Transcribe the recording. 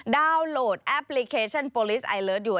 ดาวน์โหลดแอปพลิเคชันโปรลิสไอเลิศอยู่